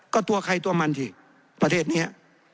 ก็ตัวใครตัวมันสิประเทศนี้